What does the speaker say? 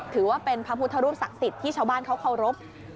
ถือว่าเป็นพระพุทธรูปศักดิ์สิทธิ์ที่ชาวบ้านเขาเคารพ